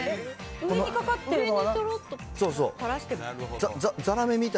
上にかかってるのは。